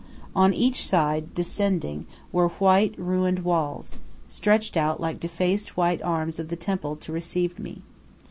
On each side, descending, were white, ruined walls, stretched out like defaced white arms of the temple to receive me.